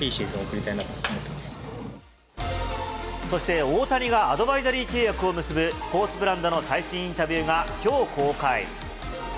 そして大谷がアドバイザリー契約を結ぶスポーツブランドの最新インタビューが今日、公開。